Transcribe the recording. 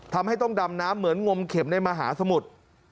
ทำให้ต้องดำน้ำเหมือนงมเข็มในมหาสมุทร